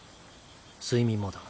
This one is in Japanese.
睡眠もだ。